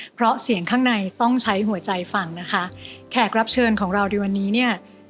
เพราะเสียงข้างในต้องใช้หัวใจฟังนะคะแขกรับเชิญของเราในวันนี้เนี่ย